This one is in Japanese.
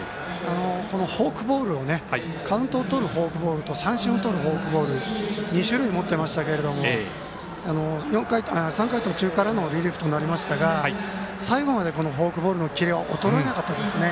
フォークボールカウントをとるフォークボールと三振をとるフォークボール２種類持ってましたが３回途中からのリリーフとなりましたが最後までフォークボールのキレは衰えなかったですね。